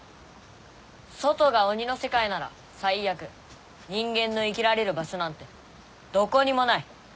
外が鬼の世界なら最悪人間の生きられる場所なんてどこにもない。